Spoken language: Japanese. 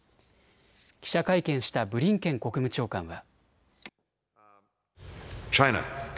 記者会見したブリンケン国務長官は。